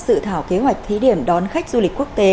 dự thảo kế hoạch thí điểm đón khách du lịch quốc tế